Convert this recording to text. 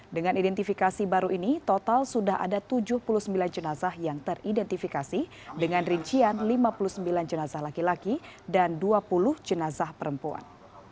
dengan identifikasi baru ini total sudah ada tujuh puluh sembilan jenazah yang teridentifikasi dengan rincian lima puluh sembilan jenazah laki laki dan dua puluh jenazah perempuan